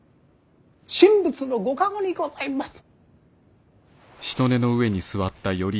神仏のご加護にございます。